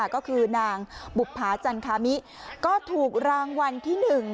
ก็คือนางบุภาจันคามิก็ถูกรางวัลที่๑